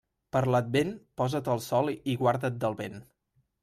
Per l'advent, posa't al sol i guarda't del vent.